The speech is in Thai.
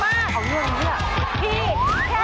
เฮ่ยอีกรอบหนึ่งอีกรอบหนึ่งนะคะ